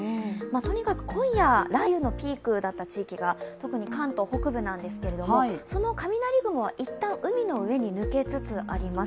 とにかく今夜、雷雨のピークだった地域が特に関東北部なんですけれどもその雷雲は一旦、海の上に抜けつつあります。